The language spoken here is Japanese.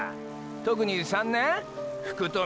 特に３年福富？